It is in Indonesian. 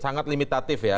sangat limitatif ya